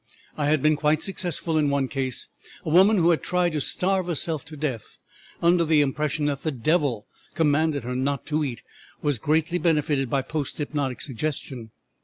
I had been quite successful in one case a woman who had tried to starve herself to death under the impression that the devil commanded her not to eat was greatly benefited by post hypnotic suggestion.